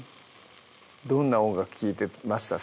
どんな音楽聴いてました？